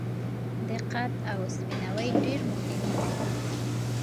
دقت او سپیناوی ډېر مهم دي.